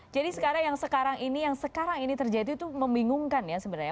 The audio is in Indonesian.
jadi sekarang yang sekarang ini yang sekarang ini terjadi itu membingungkan ya sebenarnya